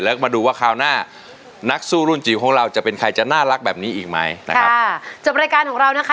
แล้วก็มาดูว่าคราวหน้านักสู้รุ่นจิ๋วของเราจะเป็นใครจะน่ารักแบบนี้อีกไหมนะครับค่ะจบรายการของเรานะคะ